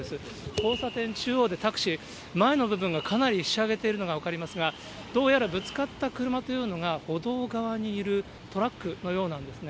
交差点中央でタクシー、前の部分がかなりひしゃげているのが分かりますが、どうやらぶつかった車というのが、歩道側にいるトラックのようなんですね。